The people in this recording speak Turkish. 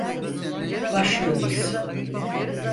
BaşIıyoruz.